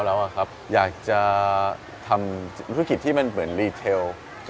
แล้วอยากจะทำธุรกิจที่มันเหมือนรีเทล